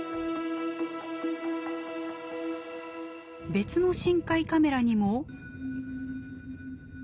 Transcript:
別の深海カメラにも。